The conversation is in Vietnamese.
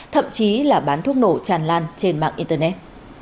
thậm chí là bán thuốc nổ tràn lan trên mạng internet